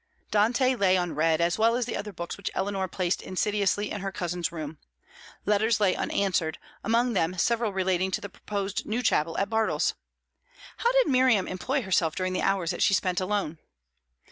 Dante lay unread, as well as the other books which Eleanor placed insidiously in her cousin's room. Letters lay unanswered among them several relating to the proposed new chapel at Bartles. How did Miriam employ herself during the hours that she spent alone?